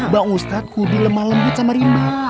bang ustadz kudi lemah lembut sama rimba